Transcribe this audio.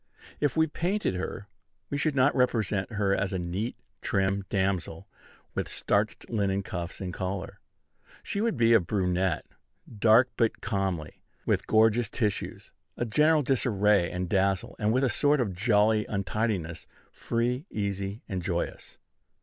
If we painted her, we should not represent her as a neat, trim damsel, with starched linen cuffs and collar: she would be a brunette, dark but comely, with gorgeous tissues, a general disarray and dazzle, and with a sort of jolly untidiness, free, easy, and joyous.